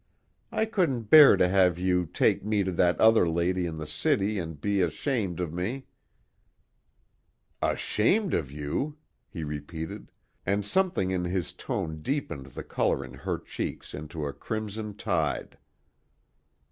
"I couldn't bear to have you take me to that other lady in the city and be a ashamed of me " "Ashamed of you!" he repeated, and something in his tone deepened the color in her cheeks into a crimson tide.